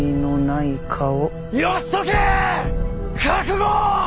覚悟！